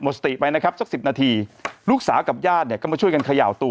สติไปนะครับสักสิบนาทีลูกสาวกับญาติเนี่ยก็มาช่วยกันเขย่าตัว